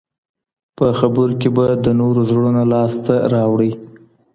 په خبرو کي به د نورو زړونه لاس ته راوړئ.